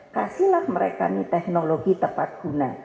kasihlah mereka nih teknologi tepat guna